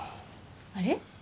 あれ？